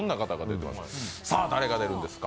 さあ、誰が出るんですか？